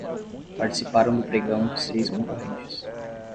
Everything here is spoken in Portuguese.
Participaram do pregão seis concorrentes